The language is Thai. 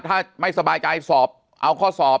ถ้าไม่สบายใจสอบเอาข้อสอบ